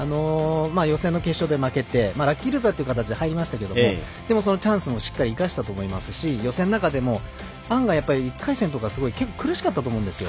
予選の決勝で負けてラッキールーザーという形で入りましたけどそのチャンスもしっかり生かしたと思いますし予選の中でも案外、１回戦とか苦しかったと思うんですよ。